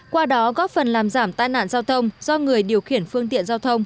qua đó góp phần làm giảm tai nạn giao thông do người điều khiển phương tiện giao thông